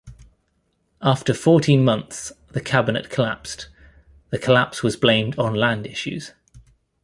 After fourteen months, the cabinet collapsed; the collapse was blamed on land issues.